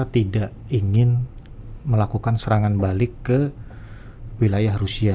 tidak ingin melakukan serangan balik ke wilayah rusia